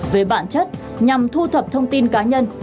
về bản chất nhằm thu thập thông tin cá nhân